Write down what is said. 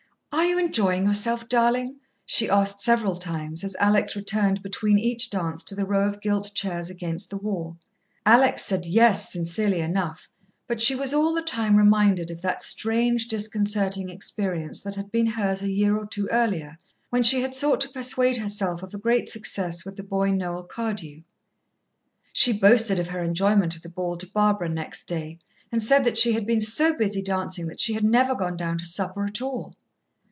"Are you enjoying yourself, darling?" she asked several times, as Alex returned between each dance to the row of gilt chairs against the wall. Alex said "Yes" sincerely enough, but she was all the time reminded of that strange, disconcerting experience that had been hers a year or two earlier, when she had sought to persuade herself of a great success with the boy Noel Cardew. She boasted of her enjoyment of the ball to Barbara next day, and said that she had been so busy dancing that she had never gone down to supper at all.